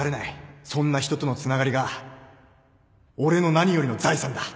そんな人とのつながりが俺の何よりの財産だ